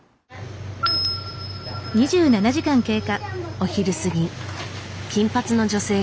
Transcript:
お昼過ぎ金髪の女性が。